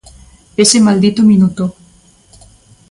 Ese maldito minuto.